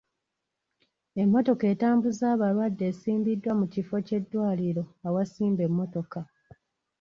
Emmotoka etambuza abalwadde esimbiddwa mu kifo ky'eddwaliro awasimba emmotoka.